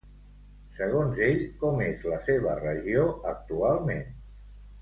Segons ell, com és la seva regió actualment?